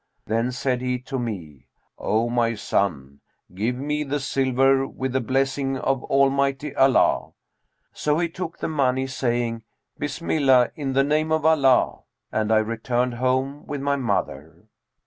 Then said he to me, 'O my son, give me the silver with the blessing of Almighty Allah!' So he took the money, saying, 'Bismillah in the name of Allah!' and I returned home with my mother.